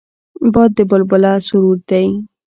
باد د بلبله سرود دی